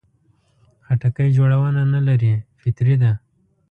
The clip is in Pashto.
خټکی جوړونه نه لري، فطري ده.